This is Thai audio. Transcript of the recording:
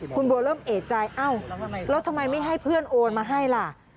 คุณบัวเริ่มเอกใจเอ้าแล้วทำไมไม่ให้เพื่อนโอนมาให้ล่ะ